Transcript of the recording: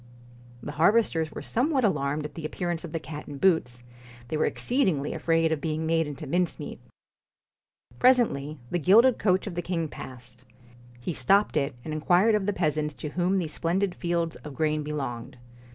The harvesters were somewhat alarmed at the appearance of the cat in boots ; they were exceed ingly afraid of being made into mincemeat. Presently the gilded coach of the king passed. He stopped it and inquired of the peasants to whom these splendid fields of grain belonged.